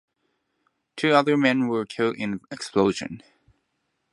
Two other men were killed in the explosion.